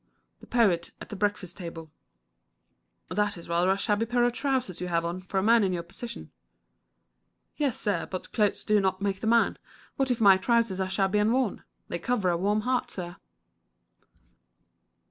The Poet at the Breakfast Table. "That is rather a shabby pair of trousers you have on, for a man in your position." "Yes, sir; but clothes do not make the man. What if my trousers are shabby and worn? They cover a warm heart, sir."